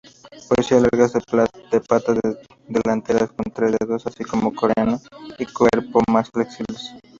Poseía largas patas delanteras con tres dedos, así como cráneo y cuerpo más flexibles.